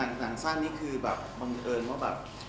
หนังที่นี้คือบังเอิญว่า